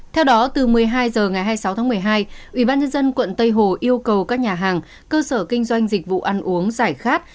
theo đó từ một mươi hai h ngày hai mươi sáu tháng một mươi hai ubnd quận tây hồ yêu cầu các nhà hàng cơ sở kinh doanh dịch vụ ăn uống giải khát